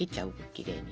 きれいに。